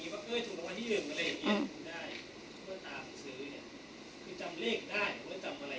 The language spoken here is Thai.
มันจะเป็นพี่ไปดีใจกับที่คนนี้ว่าเอ้ยถูกโดยไม่ได้